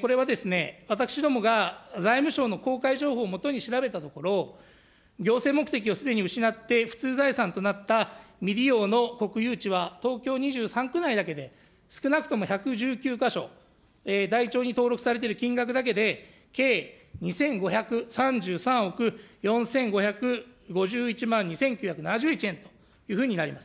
これは私どもが財務省の公開情報を基に調べたところ、行政目的をすでに失って普通財産となった未利用の国有地は、東京２３区内だけで少なくとも１１９か所、台帳に登録されている金額だけで計２５３３億４５５１万２９７１円というふうになります。